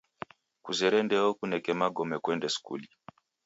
Kuzere ndeyo ukuneke magome kuende skuli.